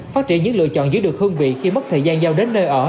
phát triển những lựa chọn giữ được hương vị khi mất thời gian giao đến nơi ở